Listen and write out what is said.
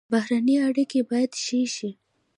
بهرنۍ اړیکې باید ښې شي